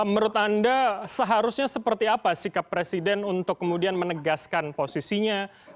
menurut anda seharusnya seperti apa sikap presiden untuk kemudian menegaskan posisinya